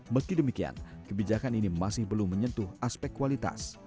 meski demikian kebijakan ini masih belum menyentuh aspek kualitas